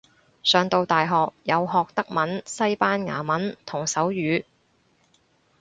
上到大學有學德文西班牙文同手語